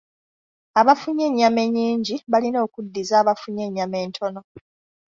Abafunye ennyama ennyingi balina okuddiza abafunye ennyama entono.